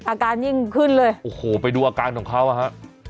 อาการยิ่งขึ้นเลยโอ้โหไปดูอาการของเขาอ่ะฮะ